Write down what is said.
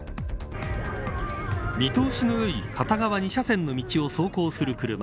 見通しのよい片側２車線の道を走行する車。